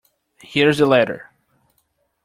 Here is the letter.